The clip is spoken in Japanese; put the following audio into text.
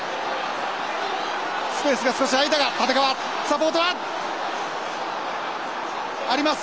スペースが少しあいたが立川サポートはあります。